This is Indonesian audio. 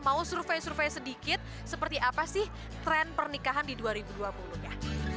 mau survei survei sedikit seperti apa sih tren pernikahan di dua ribu dua puluh deh